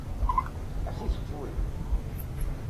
Así se foi.